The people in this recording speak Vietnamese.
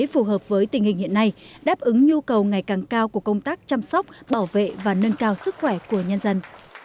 phù hợp với tình hình hiện nay đáp ứng nhu cầu ngày càng cao của công tác chăm sóc bảo vệ và nâng cao sức khỏe của nhân dân